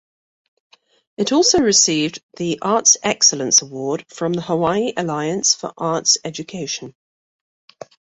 It also received the Arts Excellence Award from the Hawaii Alliance for Arts Education.